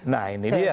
nah ini dia